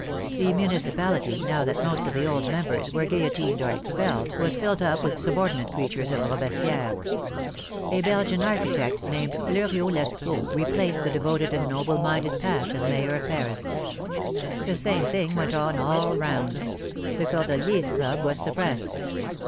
The municipality, now that most of the old members were guillotined or expelled, was filled up with subordinate creatures of Robespierre. A Belgian archi tect, named Fleuriot Lescot, replaced the devoted and noble minded Pache as mayor of Paris. The same thing went on all round. The Cordeliers' Club was suppressed.